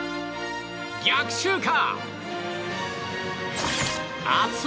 逆襲か！